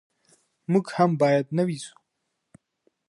موږ هم باید نوي سو.